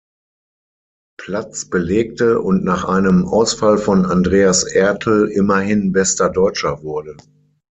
Platz belegte und nach einem Ausfall von Andreas Ertl immerhin bester Deutscher wurde.